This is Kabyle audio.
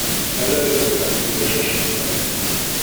Ala a baba ulac acemma!